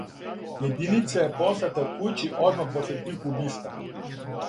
Јединица је послата кући одмах после тих убистава.